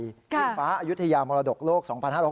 เชื่อฟ้าอยุธยามรดกโลก๒๕๖๓